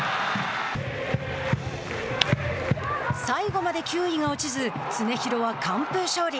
最後まで球威が落ちず常廣は完封勝利。